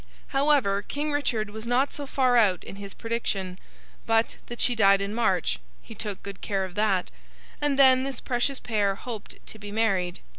However, King Richard was not so far out in his prediction, but, that she died in March—he took good care of that—and then this precious pair hoped to be married.